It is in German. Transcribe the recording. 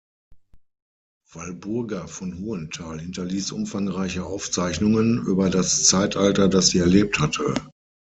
Walburga von Hohenthal hinterließ umfangreiche Aufzeichnungen über das Zeitalter, das sie erlebt hatte.